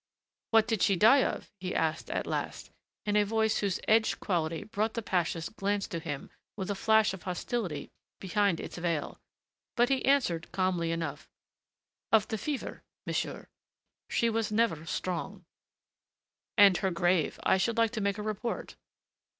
"What did she die of?" he asked at last, in a voice whose edged quality brought the pasha's glance to him with a flash of hostility behind its veil. But he answered calmly enough. "Of the fever, monsieur.... She was never strong." "And her grave... I should like to make a report."